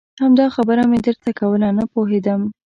همدا خبره مې درته کوله نه پوهېدم.